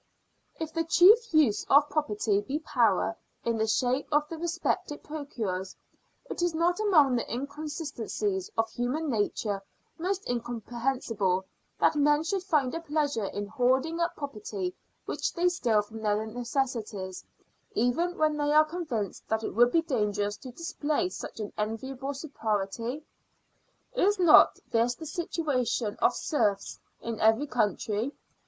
If the chief use of property be power, in the shape of the respect it procures, is it not among the inconsistencies of human nature most incomprehensible, that men should find a pleasure in hoarding up property which they steal from their necessities, even when they are convinced that it would be dangerous to display such an enviable superiority? Is not this the situation of serfs in every country.